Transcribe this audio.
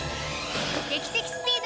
劇的スピード！